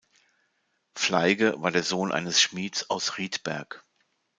Fleige war der Sohn eines Schmieds aus Rietberg.